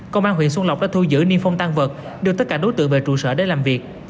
công an huyện xuân lọc đã thu giữ niên phong tăng vật đưa tất cả đối tượng về trụ sở để làm việc